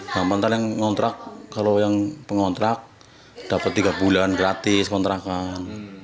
gak pantas yang ngontrak kalau yang pengontrak dapat tiga bulan gratis kontrakan